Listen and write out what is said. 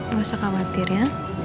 gak usah khawatir ya